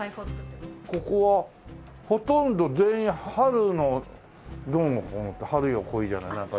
ここはほとんど全員春のどうのこうのって春よ来いじゃないなんか。